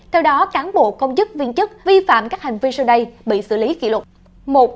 theo đó cán bộ công chức viên chức vi phạm các hành vi sau đây bị xử lý kỷ lục